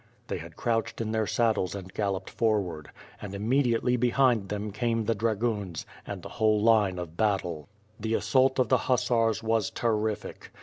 They had crouched in their saddles and galloped forward, and inmiediately behind them came the dragoons, and the whole line of battle. ^rhe assault of the hussars was terrific.